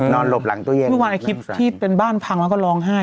นอนหลบหลังตู้เย็นที่เป็นบ้านพังแล้วก็ร้องไห้